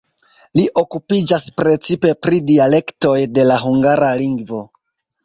Li okupiĝas precipe pri dialektoj de la hungara lingvo.